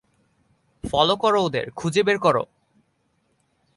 Follow করো ওদের, খুঁজে বের করো।